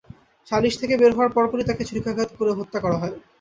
সালিস থেকে বের হওয়ার পরপরই তাঁকে ছুরিকাঘাত করে হত্যা করা হয়।